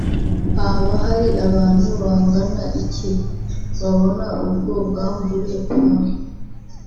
Haba hari abantu bangana iki babona ubwo bwambure bwabo